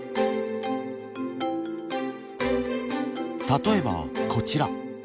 例えばこちら。